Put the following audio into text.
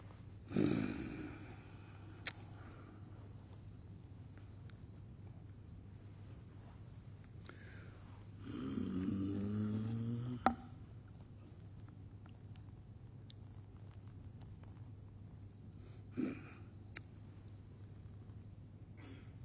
「うんうん」。